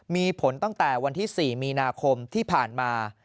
มีผลตั้งแต่วันที่๔มีนาคมที่ผ่านมา